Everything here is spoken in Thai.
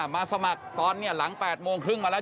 มาสมัครตอนนี้หลัง๘โมงครึ่งมาแล้ว